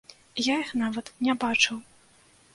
Я іх нават не бачыў!